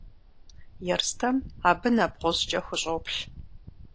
Ерстэм абы нэбгъузкӏэ хущӏоплъ.